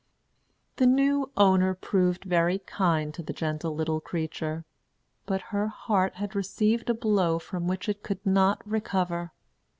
The new owner proved very kind to the gentle little creature; but her heart had received a blow from which it could not recover.